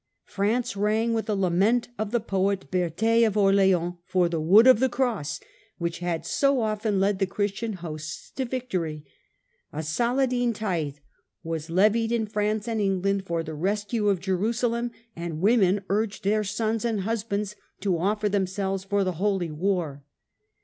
France rang with the lament of the Preaching poet Berter of Orleans for the " Wood of the Cross " Third which had so often led the Christian hosts to victory. ^'^'"^^^^ A " Saladin tithe " was levied in France and England for the rescue of Jerusalem, and women urged their sons and husbands to offer themselves for the Holy War.